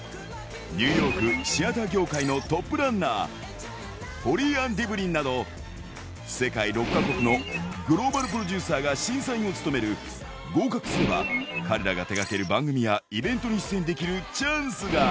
ニューヨークシアター業界のトップランナー、ホリー・アン・デブリンなど、世界６か国のグローバルプロデューサーが審査員を務める、合格すれば、彼らが手がける番組やイベントに出演できるチャンスが。